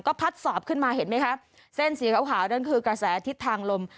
พัดสอบขึ้นมาเห็นไหมคะเส้นสีขาวนั่นคือกระแสทิศทางลม